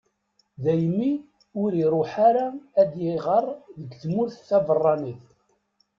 Daymi ur iruḥ ara ad iɣer deg tmurt taberranit.